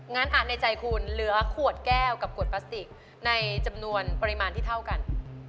ในใจคุณเหลือขวดแก้วกับขวดพลาสติกในจำนวนปริมาณที่เท่ากัน